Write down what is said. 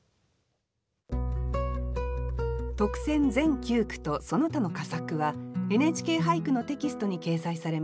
特選全九句とその他の佳作は「ＮＨＫ俳句」のテキストに掲載されます。